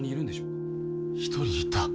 一人いた。